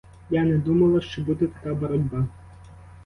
Я не думала, що буде така боротьба.